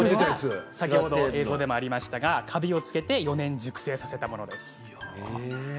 先ほど映像でもありましたがカビをつけて４年熟成させたものです。